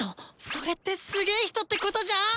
それってすげー人ってことじゃ⁉